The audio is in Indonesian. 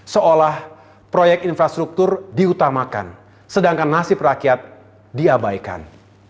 seolah proyek infrastruktur diutamakan sedangkan nasib rakyat diabaikan